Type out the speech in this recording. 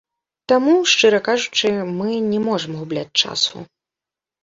Таму, шчыра кажучы, мы не можам губляць часу.